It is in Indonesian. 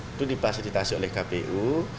itu dipasititasi oleh kpu